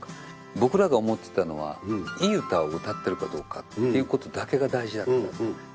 僕らが思ってたのは、いい歌を歌っているかどうかということだけが大事だった。